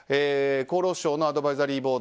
厚労省のアドバイザリー